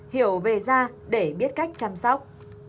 hiểu về da để biết cách chăm sóc